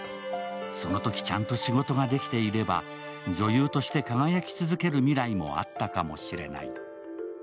そのときちゃんと仕事ができていれば、女優として輝き続ける未来もあったかもしれない。